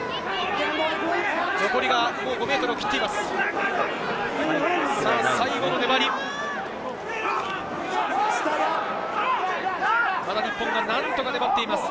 残りが５ｍを切っています。